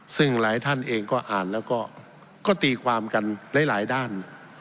ซึ่งหลายท่านเองก็อ่านแล้วก็ตีความกันหลายด้าน